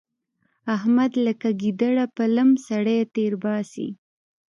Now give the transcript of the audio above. احمد لکه ګيدړه په لم سړی تېرباسي.